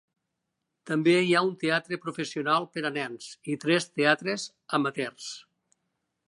També hi ha un teatre professional per a nens i tres teatres amateurs.